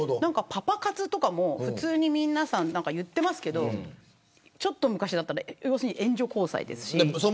パパ活とかも普通に皆さん言ってますけど、ちょっと昔なら要するに援助交際です。